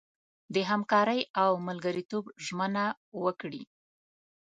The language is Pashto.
د همکارۍ او ملګرتوب ژمنه وکړي.